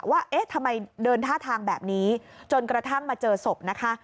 ว่าเอ๊ะทำไมเดินท่าทางแบบนี้จนกระทั่งมาเจอศพนะคะ